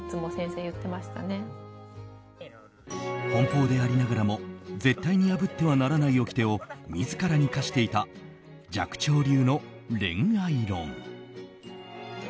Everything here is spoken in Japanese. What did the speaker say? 奔放でありながらも絶対に破ってはならないおきてを自らに課していた寂聴流の恋愛論。